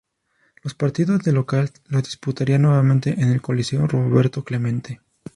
Los partidos de local los disputaría nuevamente en el Coliseo Roberto Clemente.